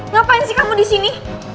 ngapain sih kamu disini